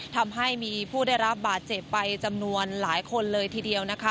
ทำให้มีผู้ได้รับบาดเจ็บไปจำนวนหลายคนเลยทีเดียวนะคะ